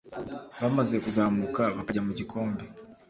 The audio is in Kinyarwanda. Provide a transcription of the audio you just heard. Bamaze kuzamuka bakajya mu gikombe